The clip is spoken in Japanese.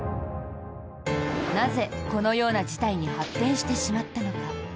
なぜ、このような事態に発展してしまったのか。